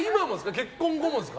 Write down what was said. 結婚後もですか？